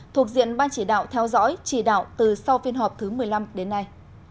thuộc diện ban chỉ đạo theo dõi chỉ đạo từ sau phiên họp thứ một mươi năm đến nay